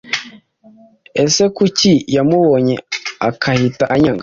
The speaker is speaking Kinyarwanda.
Ese kuki yamubonye akahita anyanga